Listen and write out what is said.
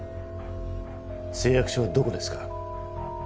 誓約書はどこですか？